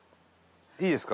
いいですか？